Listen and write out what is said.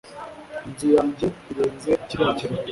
inzu yanjye irenze kiriya kiraro